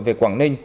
về quảng ninh